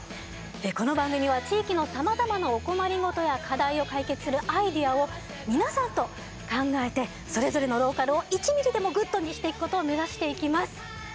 この番組は地域のさまざまなお困り事や課題を解決するアイデアを皆さんと考えてそれぞれのローカルを１ミリでもグッドにしていくことを目指していきます。